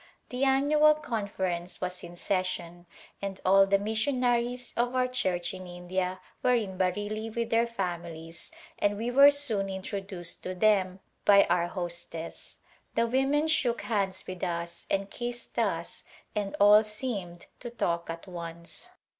The annual conference was in session and all the missionaries of our Church in India were in Bareilly with their fami lies and we were soon introduced to them by our hostess. The women shook hands with us and kissed us and all seemed to talk at once.